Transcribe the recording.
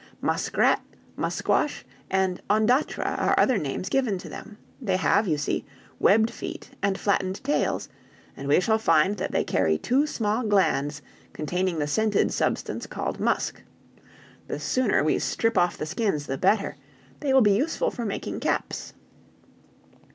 "Muskrat, musquash, and ondatra are other names given to them. They have, you see, webbed feet and flattened tails, and we shall find that they carry two small glands containing the scented substance called musk. The sooner we strip off the skins the better; they will be useful for making caps."